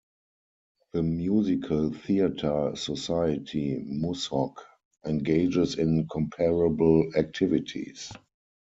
The musical theatre society, Musoc, engages in comparable activities.